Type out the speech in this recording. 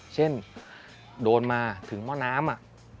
เช่นโดนมาถึงหม้อน้ำ